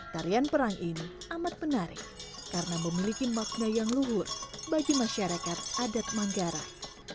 tarian perang ini amat menarik karena memiliki makna yang luhur bagi masyarakat adat manggarai